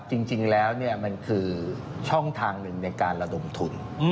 จริงแล้วมันคือช่องทางหนึ่งในการระดมทุน